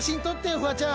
フワちゃん。